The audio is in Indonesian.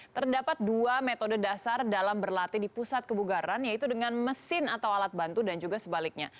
terdapat dua metode dasar dalam berlatih di pusat kebugaran yaitu dengan mesin atau alat bantu dan juga sebaliknya